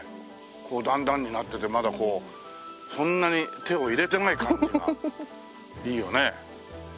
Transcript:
こう段々になっててまだこうそんなに手を入れてない感じがいいよね。